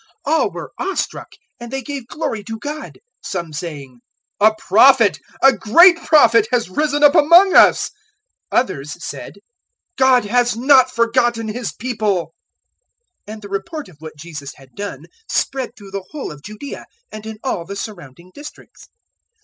007:016 All were awe struck, and they gave glory to God some saying, "A Prophet, a great Prophet, has risen up among us." Others said, "God has not forgotten His People." 007:017 And the report of what Jesus had done spread through the whole of Judaea and in all the surrounding districts.